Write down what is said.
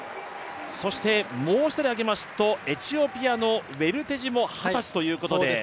もう１人挙げますと、エチオピアのウェルテジも二十歳ということで。